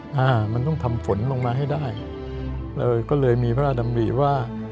อ่ามันต้องทำฝนลงมาให้ได้เลยก็เลยมีพระราชดำริว่า